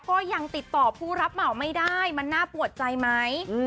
ก็ยังติดต่อผู้รับเหมาไม่ได้มันน่าปวดใจไหม